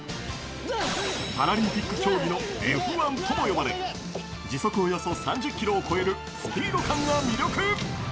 パラリンピック競技のＦ１とも呼ばれ、時速およそ３０キロを超えるスピード感が魅力。